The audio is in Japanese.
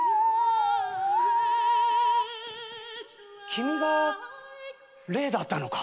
君が霊だったのか。